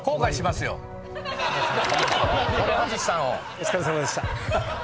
お疲れさまでした。